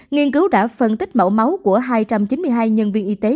nghiên cứu đã phân tích mẫu máu của hai trăm chín mươi hai nhân viên y tế